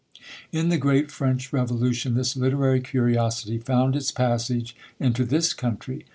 In the great French Revolution, this literary curiosity found its passage into this country.